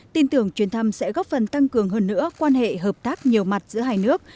tin tưởng chuyến thăm sẽ góp phần tăng cường hơn nữa quan hệ hợp tác nhiều mặt giữa hai nước